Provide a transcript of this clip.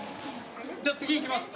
じゃ次いきます。